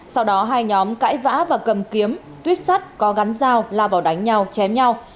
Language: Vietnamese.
sau đó hai nhóm cãi vã và cầm kiếm tuyếp sắt có gắn dao la vào đánh nhau chém nhau